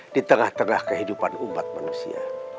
di tengah tengah kehidupan umat manusia